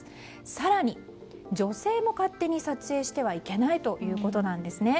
更に、女性も勝手に撮影してはいけないということなんですね。